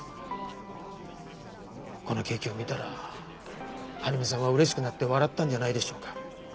このケーキを見たら晴美さんは嬉しくなって笑ったんじゃないでしょうか。